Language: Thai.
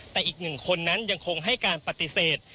แต่อีกหนึ่งคนนั้นยังคงให้การปฏิเสธ